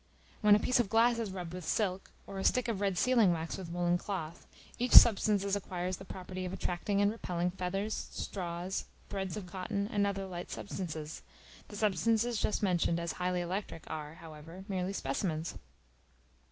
When a piece of glass is rubbed with silk, or a stick of red sealing wax with woollen cloth, each substance acquires the property of attracting and repelling feathers, straws, threads of cotton, and other light substances; the substances just mentioned as highly electric are, however, merely specimens.